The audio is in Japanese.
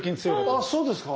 あそうですか⁉